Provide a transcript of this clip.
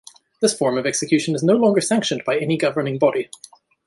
This form of execution is no longer sanctioned by any governing body.